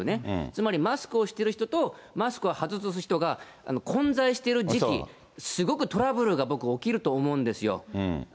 つまり、マスクをしてる人と、マスクを外す人が混在している時期、すごくトラブルが僕、起きると思うんですよ。